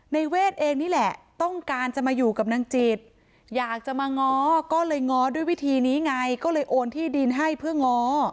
เวทเองนี่แหละต้องการจะมาอยู่กับนางจิตอยากจะมาง้อก็เลยง้อด้วยวิธีนี้ไงก็เลยโอนที่ดินให้เพื่อง้อ